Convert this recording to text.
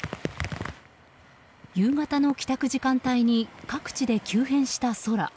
夕方の帰宅時間帯に各地で急変した空。